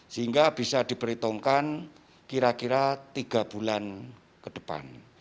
sehingga bisa diperhitungkan kira kira tiga bulan ke depan